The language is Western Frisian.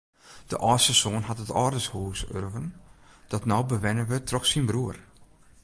De âldste soan hat it âldershûs urven dat no bewenne wurdt troch syn broer.